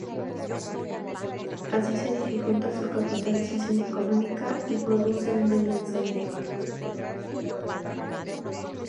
así se dificulta su capitalización económica y produce una alianza directa